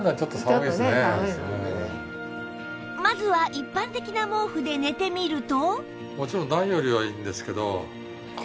まずは一般的な毛布で寝てみると